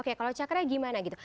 kayak kalau cakra gimana gitu